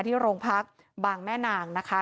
ที่โรงพักบางแม่นางนะคะ